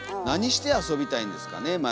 何して遊びたいんですかね